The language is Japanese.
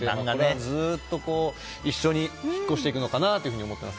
ずっと一緒に引っ越していくのかなと思っています。